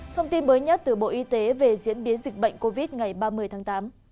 thông tin mới nhất từ bộ y tế về diễn biến dịch bệnh covid ngày ba mươi tháng tám